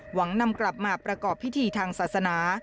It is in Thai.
นำกลับมาประกอบพิธีทางศาสนา